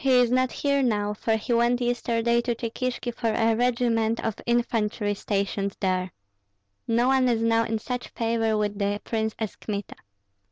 "He is not here now, for he went yesterday to Cheykishki for a regiment of infantry stationed there. No one is now in such favor with the prince as Kmita.